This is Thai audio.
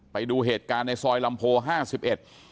ไปดูเหตุการณ์ในซอยลำโพห้าสิบเอ็ด